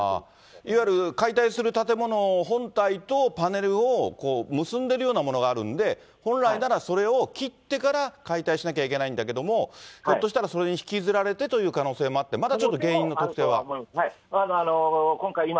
いわゆる解体する建物本体とパネルを結んでるようなものがあるんで、本来ならそれを切ってから解体しなきゃいけないんだけども、ひょっとしたらそれに引きずられてという可能性もあって、まだち